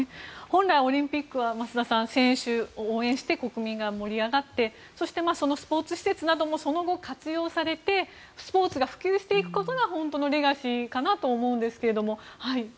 本来、オリンピックは増田さん、選手を応援して国民が盛り上がってそしてそのスポーツ施設などもその後、活用されてスポーツが普及していくことが本当のレガシーかと思いますが。